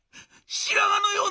白髪のような」。